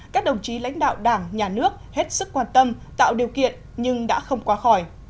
các đồng chí lãnh đạo đảng nhà nước hết sức quan tâm tạo điều kiện nhưng đã không qua khỏi